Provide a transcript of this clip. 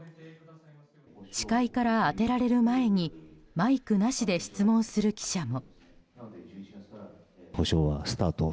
司会から当てられる前にマイクなしで質問する記者も。